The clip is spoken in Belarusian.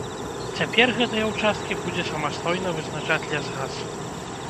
Цяпер гэтыя ўчасткі будзе самастойна вызначаць лясгас.